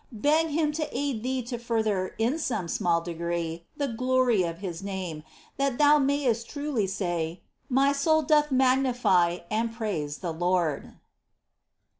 Beg Him to aid thee to further, in some small degree, the glory of His Name, that thou mayest truly say :" My soul doth magnify " and praise " the Lord